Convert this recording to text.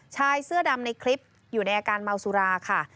ชายเสื้อดำในคลิปอยู่ในอาการเมาสุราค่ะ